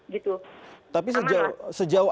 gitu tapi sejauh